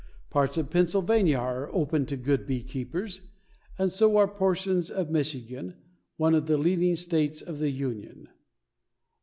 Parts of Pennsylvania are open to good beekeepers and so are portions of Michigan, one of the leading states of the Union.